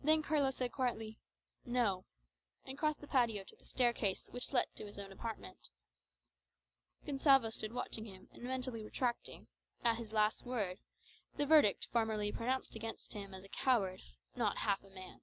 Then Carlos said quietly, "No;" and crossed the patio to the staircase which led to his own apartment. Gonsalvo stood watching him, and mentally retracting, at his last word, the verdict formerly pronounced against him as "a coward," "not half a man."